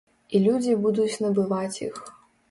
І людзі будуць набываць іх.